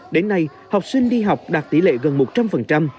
đến nay học sinh đi học đạt tỷ lệ gần một trăm linh